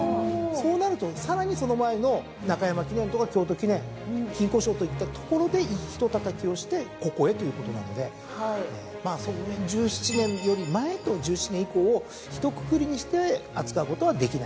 そうなるとさらにその前の中山記念とか京都記念金鯱賞といったところでひとたたきをしてここへということなので１７年より前と１７年以降をひとくくりにして扱うことはできないなと。